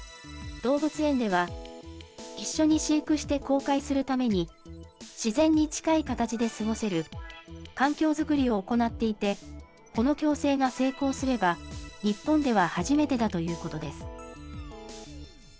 動物園では、一緒に飼育して公開するために、自然に近い形で過ごせる環境作りを行っていて、この共生が成功すれば、日本では初めてだということです。